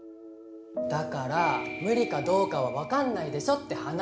だから無理かどうかは分かんないでしょって話。